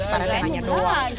pak rete nanya doang